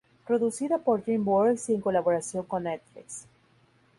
Producida por DreamWorks y en colaboración con Netflix.